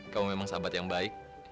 kau memang sahabat yang baik